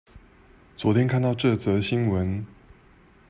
昨天看到這則新聞